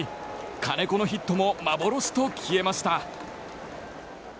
金子のヒットも幻と消えました。